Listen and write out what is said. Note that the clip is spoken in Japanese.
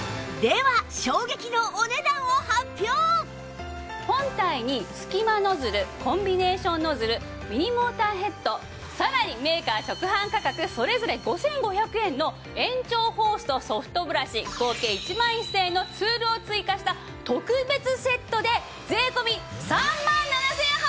では本体に隙間ノズルコンビネーションノズルミニモーターヘッドさらにメーカー直販価格それぞれ５５００円の延長ホースとソフトブラシ合計１万１０００円のツールを追加した特別セットで税込３万７８００円です！